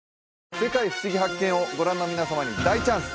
「世界ふしぎ発見！」をご覧の皆様に大チャンス！